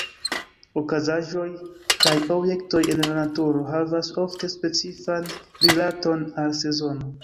Okazaĵoj kaj objektoj en la naturo havas ofte specifan rilaton al sezono.